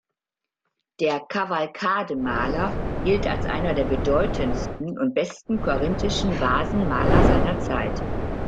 Der Kavalkade-Maler gilt als einer der bedeutendsten und besten korinthischen Vasenmaler seiner Zeit.